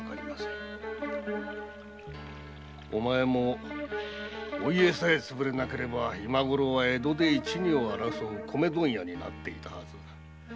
お前もお家さえ潰れなければ今ごろ江戸で一・二を争う米問屋になっていたはず。